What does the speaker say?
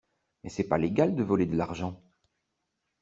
Mais c'est pas légal de voler de l'argent.